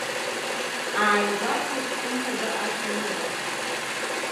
Ааигәахәит, хымԥада, ашәануа.